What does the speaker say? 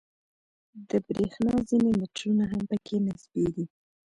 د برېښنا ځینې میټرونه هم په کې نصبېږي.